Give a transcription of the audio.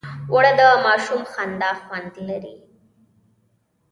اوړه د ماشوم خندا خوند لري